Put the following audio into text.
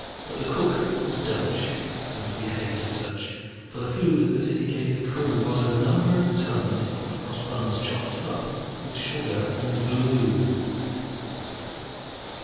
But the cook was Dutch, and behaved as such; For the food that he gave the crew Was a number of tons of hot cross buns, Chopped up with sugar and glue.